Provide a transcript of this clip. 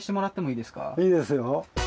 いいですよ。